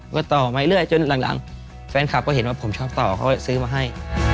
ก็ต่อมาเรื่อยจนหลังแฟนคลับก็เห็นว่าผมชอบต่อเขาซื้อมาให้